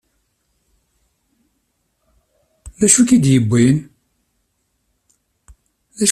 D acu i k-id-yewwin?